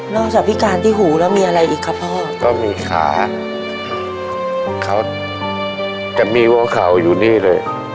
จากพิการที่หูแล้วมีอะไรอีกคะพ่อก็มีขาของเขาจะมีหัวเข่าอยู่นี่เลย